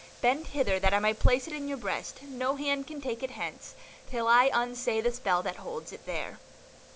Bend hither, that I may place it in your breast; no hand can take it hence, till I unsay the spell that holds it there."